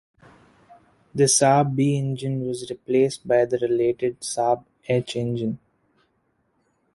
The Saab B engine was replaced by the related Saab H engine.